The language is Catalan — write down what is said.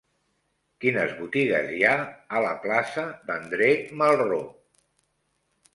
Quines botigues hi ha a la plaça d'André Malraux?